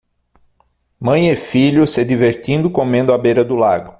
Mãe e filho se divertindo comendo à beira do lago.